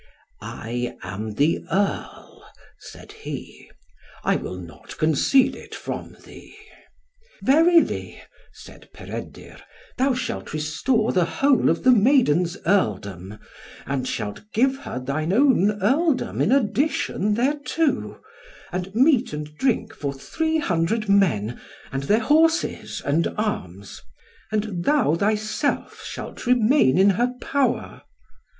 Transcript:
"I am the earl," said he. "I will not conceal it from thee." "Verily," said Peredur, "thou shalt restore the whole of the maiden's earldom, and shalt give her thine own earldom in addition thereto, and meat and drink for three hundred men, and their horses and arms, and thou thyself shalt remain in her power."